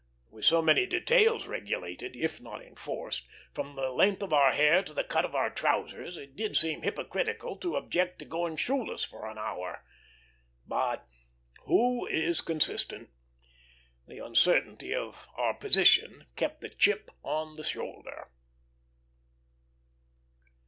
With so many details regulated if not enforced from the length of our hair to the cut of our trousers, it did seem hypercritical to object to going shoeless for an hour. But who is consistent? The uncertainty of our position kept the chip on the shoulder.